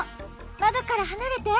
まどからはなれて。